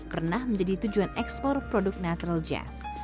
pernah menjadi tujuan ekspor produk natural jazz